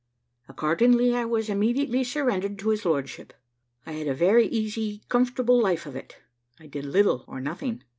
Accordingly, I was immediately surrendered to his lordship. I had a very easy, comfortable life of it I did little or nothing.